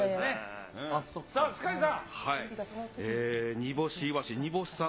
さあ、塚地さん。